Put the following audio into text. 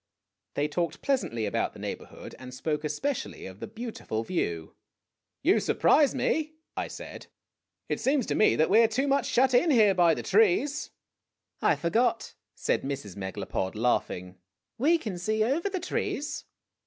They talked pleasantly about the neighborhood, and spoke especially of the beautiful view. " You surprise me," I said. " It seems to me that we are too much shut in here by the trees." 194 IMAGINOTIONS " I forgot," said Mrs. Megalopod, laughing. " We can see over the trees."